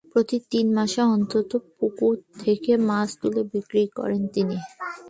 প্রতি তিন মাস অন্তর পুকুর থেকে মাছ তুলে বিক্রি করেন তিনি।